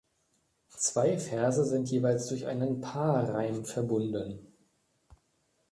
Zwei Verse sind jeweils durch einen Paarreim verbunden.